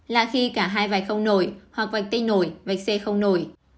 là khi cả hai vạch không nổi hoặc vạch t nổi vạch c không nổi